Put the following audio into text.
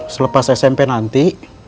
selepas smp nanti